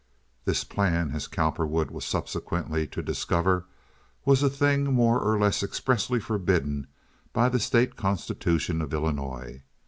This plan, as Cowperwood was subsequently to discover, was a thing more or less expressly forbidden by the state constitution of Illinois.